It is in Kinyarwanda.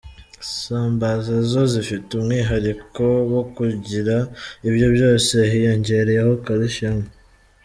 Isambaza zo zifite umwihariko wo kugira ibyo byose hiyongereyeho Calcium.